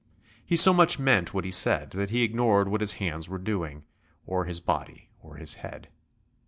He so much meant what he said that he ignored what his hands were doing, or his body or his head.